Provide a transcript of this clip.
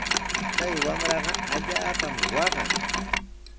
Kay wamraqa allaapami waqan.